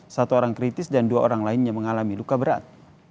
satu orang kritis dan dua orang lainnya mengalami luka berat